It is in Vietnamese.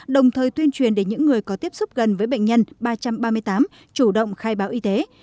đồng thời tuyên truyền để những người có tiếp xúc gần với bệnh nhân ba trăm ba mươi tám chủ động khai báo y tế